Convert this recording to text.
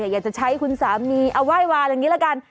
อยากจะใช้คุณสามีเอาไหว้วาอย่างนี้ละกัน